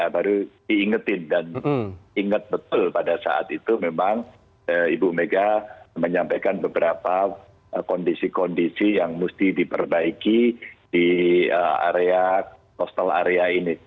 baru diingetin dan ingat betul pada saat itu memang ibu mega menyampaikan beberapa kondisi kondisi yang mesti diperbaiki di area coastal area ini